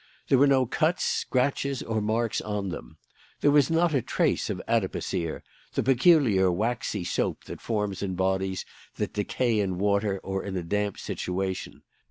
There were no cuts, scratches, or marks on them. There was not a trace of adipocere the peculiar waxy soap that forms in bodies that decay in water or in a damp situation.